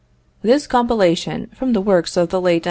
This compilation, from the works of the late M.